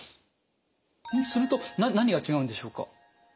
すると何が違うんでしょうか？